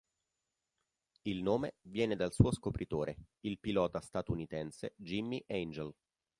Il nome viene dal suo scopritore, il pilota statunitense, Jimmie Angel.